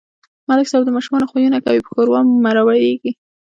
ملک صاحب د ماشومانو خویونه کوي په ښوراو مرورېږي.